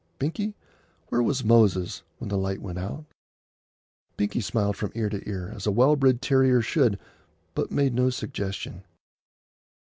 Binkie, where was Moses when the light went out?" Binkie smiled from ear to ear, as a well bred terrier should, but made no suggestion.